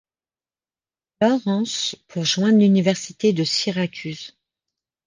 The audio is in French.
Lawrence pour joindre l'Université de Syracuse.